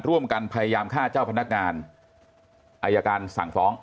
ร่วมกันพยายามฆ่าเจ้าพนักงานอายการสั่งฟ้อง